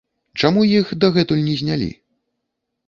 Чаму іх дагэтуль не знялі?